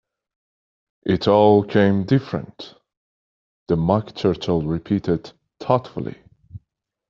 ‘It all came different!’ the Mock Turtle repeated thoughtfully.